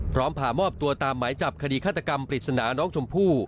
พามอบตัวตามหมายจับคดีฆาตกรรมปริศนาน้องชมพู่